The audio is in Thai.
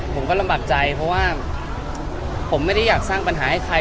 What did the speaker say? ผมก็ลำบากใจเพราะว่าผมไม่ได้อยากสร้างปัญหาให้ใคร